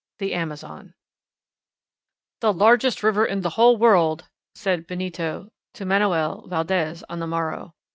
THE AMAZON "The largest river in the whole world!" said Benito to Manoel Valdez, on the morrow.